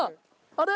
あれ？